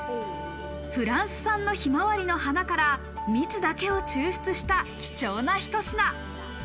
フランス産のひまわりの花から蜜だけを抽出した貴重なひと品。